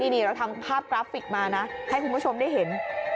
นี่เราทำภาพกราฟิกมานะให้คุณผู้ชมได้เห็น